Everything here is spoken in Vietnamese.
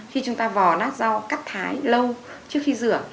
khi chúng ta vò nát rau cắt thái lâu trước khi rửa